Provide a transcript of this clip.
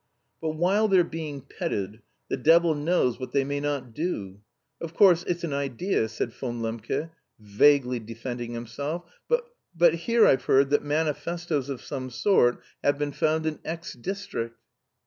"But while they're being petted... the devil knows what they may not do. Of course, it's an idea..." said Von Lembke, vaguely defending himself, "but... but here I've heard that manifestoes of some sort have been found in X district."